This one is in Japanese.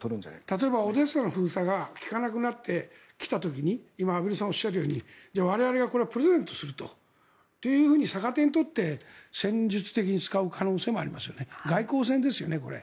例えばオデーサの封鎖が利かなくなってきた時に今、畔蒜さんがおっしゃるように我々がプレゼントすると逆手に取って戦術的に使う可能性もありますよね。